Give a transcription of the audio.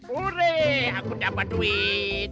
udih aku dapat duit